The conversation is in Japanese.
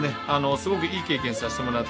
すごくいい経験させてもらって。